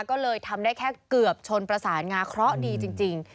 ก็เลยทำได้แค่เกือบชนประสานงาเคราะห์ดีจริง